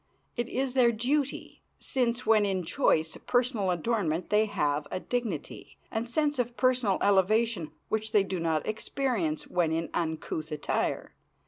It is their duty, since when in choice personal adornment they have a dignity and sense of personal elevation which they do not experience when in uncouth attire.